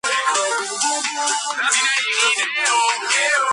აქ თავსდება ხელოვნების ნიმუშების კოლექციები და ეწყობა აგრეთვე დროებითი გამოფენები.